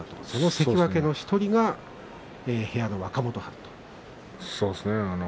関脇の１人が部屋の若元春ですね。